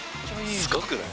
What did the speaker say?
すごくない？